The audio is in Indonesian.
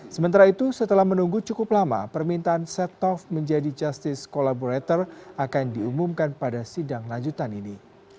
sementara itu setelah menunggu cukup lama permintaan setnov menjadi justice collaborator akan diumumkan pada sidang lanjutan ini